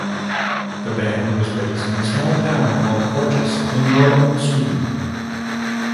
The band was based in a small town called Porjus in northern Sweden.